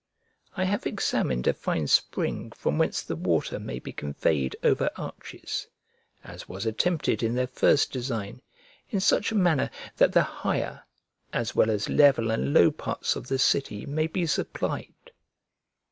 I have examined a fine spring from whence the water may be conveyed over arches (as was attempted in their first design) in such a manner that the higher as well as level and low parts of the city may be supplied.